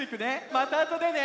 またあとでね！